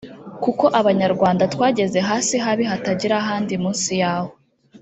kuko abanyarwanda twageze hasi habi hatagira ahandi munsi yaho